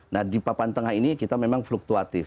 nah di papan tengah ini kita memang fluktuatif